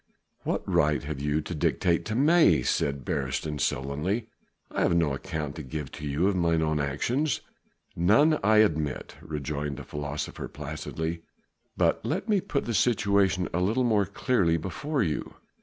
"What right have you to dictate to me?" said Beresteyn sullenly. "I have no account to give to you of mine own actions." "None I admit," rejoined the philosopher placidly, "but let me put the situation a little more clearly before you.